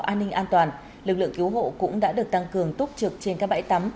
trong bãi biển đà nẵng lực lượng cứu hộ cũng đã được tăng cường túc trực trên các bãi tắm